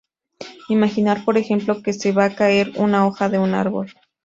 Imaginar por ejemplo que se ve caer una hoja de un árbol.